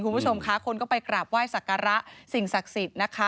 คุณผู้ชมค่ะคนก็ไปกราบไหว้สักการะสิ่งศักดิ์สิทธิ์นะคะ